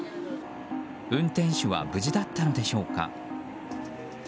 運転手は無事だったのでしょうか。